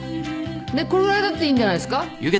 これぐらいだったらいいんじゃないですか。